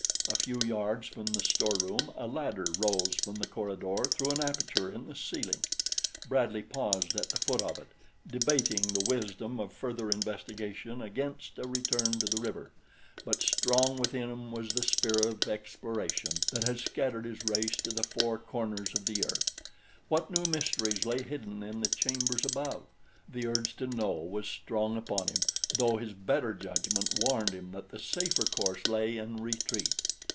A few yards from the storeroom a ladder rose from the corridor through an aperture in the ceiling. Bradley paused at the foot of it, debating the wisdom of further investigation against a return to the river; but strong within him was the spirit of exploration that has scattered his race to the four corners of the earth. What new mysteries lay hidden in the chambers above? The urge to know was strong upon him though his better judgment warned him that the safer course lay in retreat.